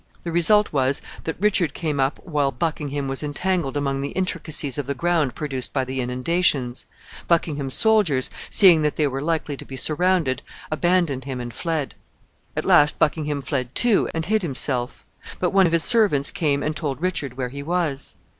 The result was, that Richard came up while Buckingham was entangled among the intricacies of the ground produced by the inundations. Buckingham's soldiers, seeing that they were likely to be surrounded, abandoned him and fled. At last Buckingham fled too, and hid himself; but one of his servants came and told Richard where he was.